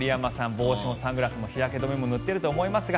帽子もサングラスも日焼け止めも塗っていると思いますが。